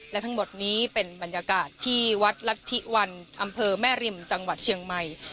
และทั้งหมดนี้เป็นบรรยากาศที่วัดรัฐธิวันอำเภอแม่ริมจังหวัดเชียงใหม่